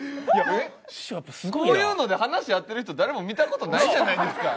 こういうので話合ってる人誰も見た事ないじゃないですか。